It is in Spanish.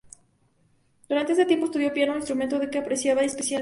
Durante este tiempo estudió piano, instrumento que apreciaba especialmente.